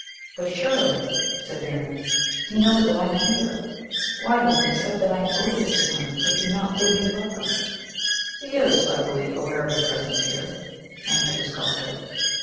"But, surely," said Miriam, "he knows that I am here! Why, then, except that I am odious to him, does he not bid me welcome?" "He is, I believe, aware of your presence here," answered the sculptor.